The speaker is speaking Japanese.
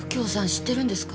知ってるんですか？